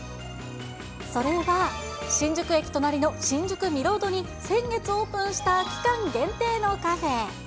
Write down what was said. それが、新宿駅隣の新宿ミロードに先月オープンした、期間限定のカフェ。